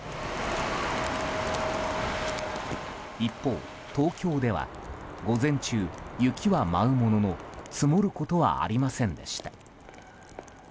一方、東京では午前中、雪は舞うものの積もることはありませんでした。